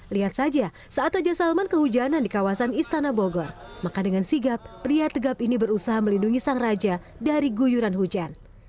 lihat saja saat raja salman kehujanan di kawasan istana bogor maka dengan sigap pria tegap ini berusaha melindungi sang raja dari guyuran hujan